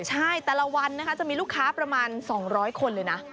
ใช่แต่ละวันนะคะจะมีลูกค้าประมาณ๒๐๐คนเลยนะ